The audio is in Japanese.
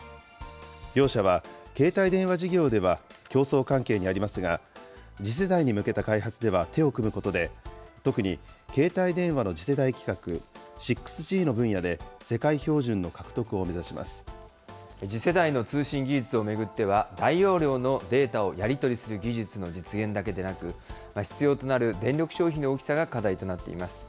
両社は携帯電話事業では競争関係にありますが、次世代に向けた開発では手を組むことで、特に携帯電話の次世代規格、６Ｇの分野で、次世代の通信技術を巡っては、大容量のデータをやり取りする技術の実現だけでなく、必要となる電力消費の大きさが課題となっています。